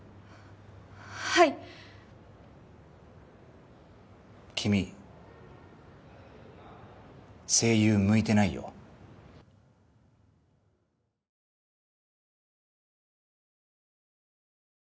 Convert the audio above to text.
はい君声優向いてないよあああい‼